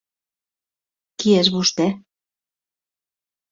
-Qui és vosté?